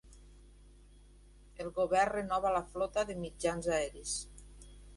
El Govern renova la flota de mitjans aeris.